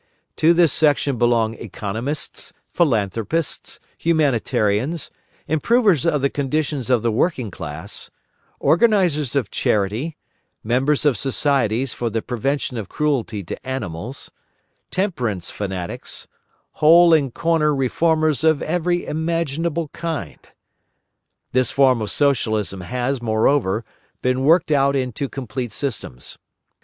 To this section belong economists, philanthropists, humanitarians, improvers of the condition of the working class, organisers of charity, members of societies for the prevention of cruelty to animals, temperance fanatics, hole and corner reformers of every imaginable kind. This form of Socialism has, moreover, been worked out into complete systems.